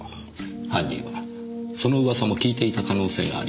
犯人はその噂も聞いていた可能性があります。